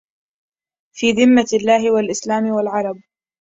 في ذمة الله والإسلام والعرب